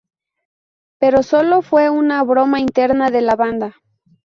Pero solo fue una broma interna de la banda...